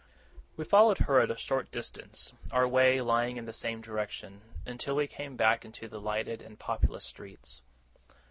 We followed her at a short distance, our way lying in the same direction, until we came back into the lighted and populous streets.